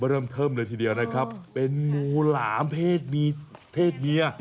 เริ่มเทิมเลยทีเดียวนะครับเป็นงูหลามเพศมีเพศเมีย